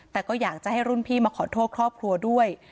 แต่ก็อยากจะให้รุ่นพี่มาขอโทษครอบครัวด้วย